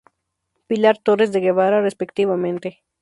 Pilar Torres de Guevara, respectivamente.